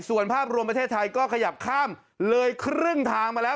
ส่วนภาพรวมประเทศไทยก็ขยับข้ามเลยครึ่งทางมาแล้ว